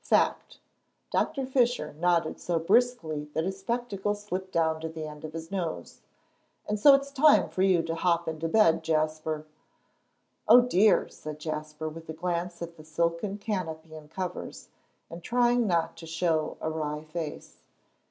"Fact." Doctor Fisher nodded so briskly that his spectacles slipped down to the end of his nose, "And so it's time for you to hop into bed, Jasper." "O dear!" said Jasper, with a glance at the silken canopy and covers, and trying not to show a wry face.